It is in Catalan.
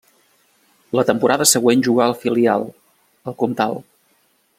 La temporada següent jugà al filial, el Comtal.